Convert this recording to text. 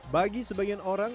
bagi sebagian orang